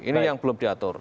ini yang belum diatur